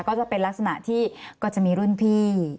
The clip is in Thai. ก็จะเป็นลักษณะที่ก็จะมีรุ่นพี่